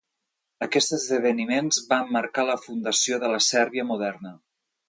Aquests esdeveniments van marcar la fundació de la Sèrbia moderna.